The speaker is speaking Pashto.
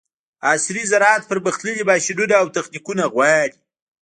عصري زراعت پرمختللي ماشینونه او تخنیکونه غواړي.